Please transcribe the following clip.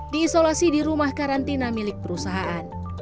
diisolasi di rumah karantina milik perusahaan